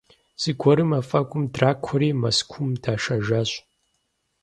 Зыгуэру мафӀэгум дракуэри, Мэзкуу дашэжащ.